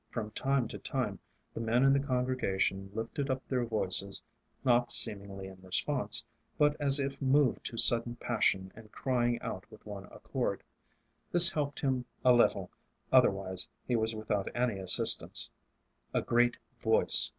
From time to time the men in the congregation lifted up their voices not seemingly in response, but as if moved to sudden passion and crying out with one accord. This helped him a little, otherwise he was without any assistance. A great Voice.